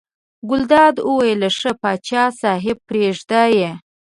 ګلداد وویل ښه پاچا صاحب پرېږده یې.